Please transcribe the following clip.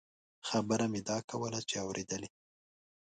خبره مې دا کوله چې اورېدلې.